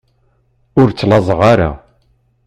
Ur ttlaẓeɣ ara.